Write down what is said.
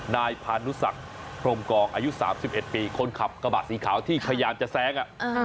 นายพานุสักพรมกองอายุ๓๑ปีคนขับกระบะสีขาวที่พยายามจะแซง